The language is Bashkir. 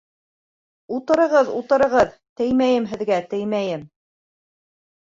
- Утырығыҙ-утырығыҙ, теймәйем һеҙгә, теймәйем.